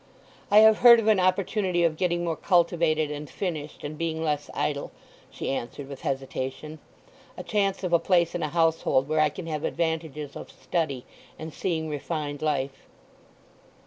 "I have heard of an opportunity of getting more cultivated and finished, and being less idle," she answered, with hesitation. "A chance of a place in a household where I can have advantages of study, and seeing refined life."